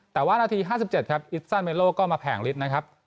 แต่ว่านาทีห้าสิบเจ็ดครับอิปซั่นเมโลก็มาแผงลิตรนะครับ